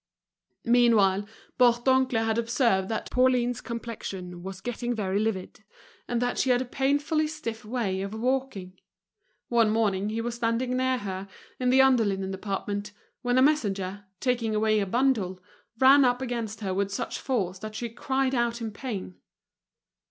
Meanwhile, Bourdoncle had observed that Pauline's complexion was getting very livid, and that she had a painfully stiff way of walking. One morning he was standing near her, in the under linen department, when a messenger, taking away a bundle, ran up against her with such force that she cried out with pain.